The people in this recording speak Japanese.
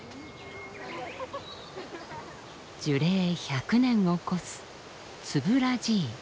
樹齢１００年を超すツブラジイ。